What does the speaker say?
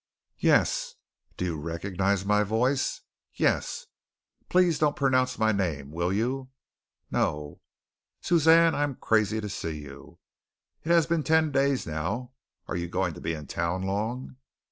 "Yes." "Do you recognize my voice?" "Yes." "Please don't pronounce my name, will you?" "No." "Suzanne, I am crazy to see you. It has been ten days now. Are you going to be in town long?"